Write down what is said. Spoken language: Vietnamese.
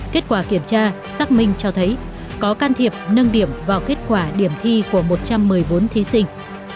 kết quả kiểm tra xác minh cho thấy có can thiệp nâng điểm vào kết quả điểm thi của một trăm một mươi bốn thí sinh